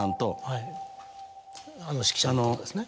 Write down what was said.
はいあの指揮者の方ですね。